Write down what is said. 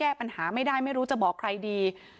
แล้วก็แก้ปัญหาไม่ได้ไม่รู้จะบอกใครดี